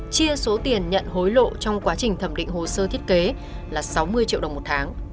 chia số tiền nhận hối lộ trong quá trình thẩm định hồ sơ thiết kế là sáu mươi triệu đồng một tháng